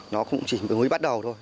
nó cũng chỉ mới bắt đầu thôi